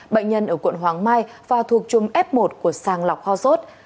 bệnh nhân ở quận hoàng mai và thuộc chung f một của sàng lọc ho sốt